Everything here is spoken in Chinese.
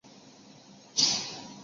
见说文。